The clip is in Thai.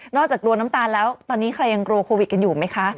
กลัวน้ำตาลแล้วตอนนี้ใครยังกลัวโควิดกันอยู่ไหมคะ